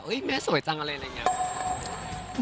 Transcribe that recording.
แม่สวยจังอะไรอะไรอย่างนี้